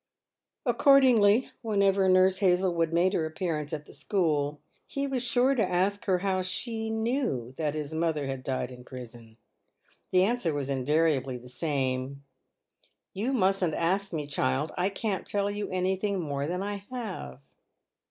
Accordingly, whenever Nurse Hazlewood made her appearance at the school, he was sure to ask her how she knew that his mother had died in prison. The answer was invariably the same, " Tou mustn't ask me, child ; I can't tell you anything more than I have."